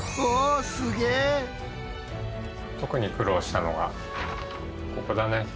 特に苦労したのがここだね。